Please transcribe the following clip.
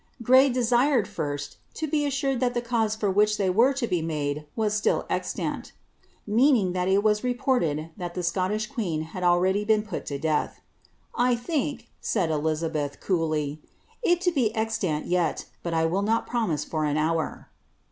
Gray desired, first, to be assured thai the cause for which they w< to be made, was " still exlanl." Meaning that it was reported thai t Scottish queen had been already put to death. " I think," said Eln beih, coolly, " it be extant yet, but I will not promise for an hour."'